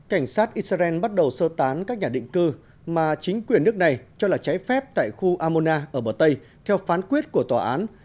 cảnh sát israel bắt đầu sơ tán các nhà định cư mà chính quyền nước này cho là cháy phép tại khu amona ở bờ tây theo phán quyết của tòa án